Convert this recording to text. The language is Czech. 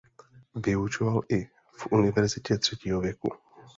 Vyučoval i v Univerzitě třetího věku.